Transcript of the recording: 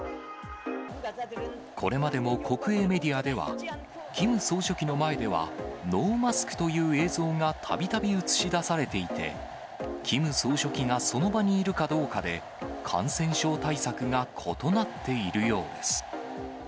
これまでも国営メディアでは、キム総書記の前では、ノーマスクという映像がたびたび映し出されていて、キム総書記がその場にいるかどうかで、感染症対策が異なっているようです。